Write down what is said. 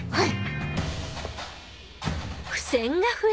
はい。